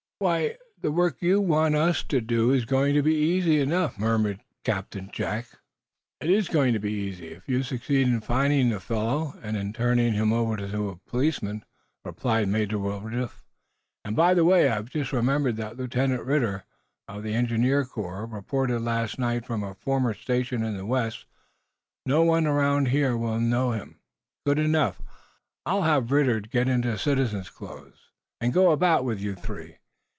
"Why, the work you want us to do is going to be easy enough," murmured Captain Jack. "It is going to be easy, if you succeed in finding the fellow, and in turning him over to a policeman," replied Major Woodruff. "And, by the way, I have just remembered that Lieutenant Ridder, of the engineer corps, reported last night from a former station in the West. No one around here will know him. Good enough! I'll have Ridder get into citizen's clothes and go about with you three.